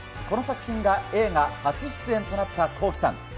この作品が映画初出演となったＫｏｋｉ，さん。